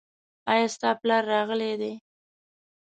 ایا ستا پلار راغلی دی ؟